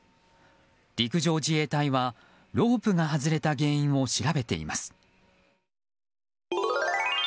陸上自衛隊はロープが外れた原因を調べています。